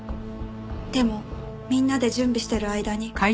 でもみんなで準備してる間に。